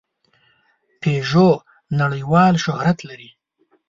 پيژو نړۍوال شهرت لري.